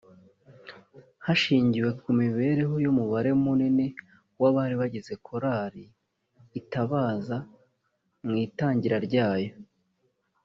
Hashingiwe ku mibereho y’umubare munini w’abari bagize korali Itabaza mu itangira ryayo